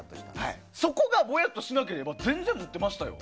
そこがぼやっとしなければ全然、持ってましたよ。